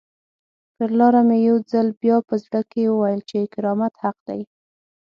پر لاره مې یو ځل بیا په زړه کې وویل چې کرامت حق دی.